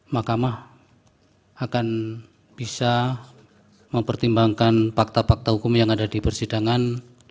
mahkamah akan bisa mempertimbangkan fakta fakta hukum yang ada di persidangan